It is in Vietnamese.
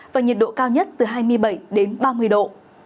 và nhiệt độ cao nhất từ hai mươi bảy đến ba mươi độ